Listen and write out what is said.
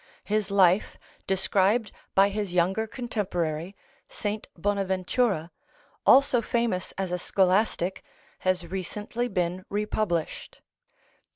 His life, described by his younger contemporary, St. Bonaventura, also famous as a scholastic, has recently been republished.